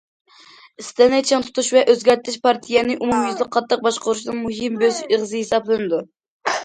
ئىستىلنى چىڭ تۇتۇش ۋە ئۆزگەرتىش پارتىيەنى ئومۇميۈزلۈك قاتتىق باشقۇرۇشنىڭ مۇھىم بۆسۈش ئېغىزى ھېسابلىنىدۇ.